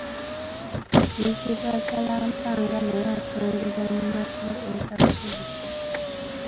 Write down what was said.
Muzibwazaalampanga naye asangibwa mu masiro e Kasubi.